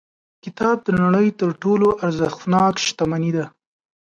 کتاب د نړۍ تر ټولو ارزښتناک شتمنۍ ده.